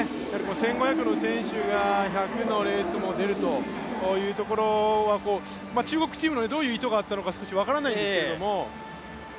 １５００の選手が１００ｎレースも出るというところは中国チームのどういう意図があったのか分からないんですけれども。